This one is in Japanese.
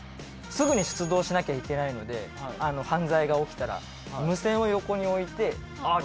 すぐに出動しなきゃいけないので犯罪が起きたら無線を横に置いてあっ